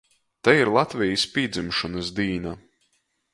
Tei ir Latvejis pīdzimšonys dīna.